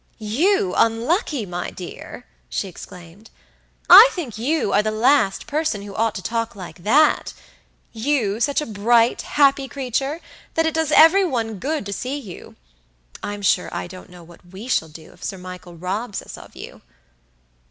"You unlucky, my dear!" she exclaimed. "I think you are the last person who ought to talk like thatyou, such a bright, happy creature, that it does every one good to see you. I'm sure I don't know what we shall do if Sir Michael robs us of you."